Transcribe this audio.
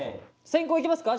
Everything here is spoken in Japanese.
先攻いきますか？